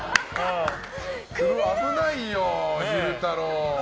危ないよ、昼太郎。